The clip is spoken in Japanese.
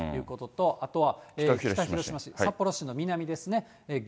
あとは北広島市、札幌市の南ですね。